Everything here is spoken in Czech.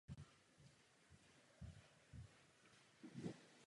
Vzhledem k velice přísným podmínkám udělení je velice často předávána posmrtně.